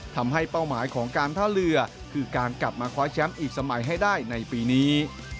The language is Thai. เป้าหมายของการท่าเรือคือการกลับมาคว้าแชมป์อีกสมัยให้ได้ในปีนี้